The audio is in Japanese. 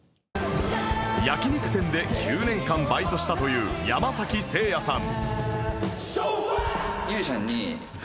焼き肉店で９年間バイトしたというヤマサキセイヤさん